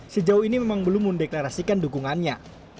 sejauh ini memang belum mendeklarasikan dukungannya